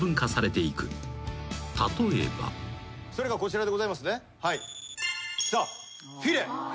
［例えば］それがこちらでございます。